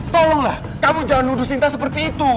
tolonglah kamu jangan nuduh sinta seperti itu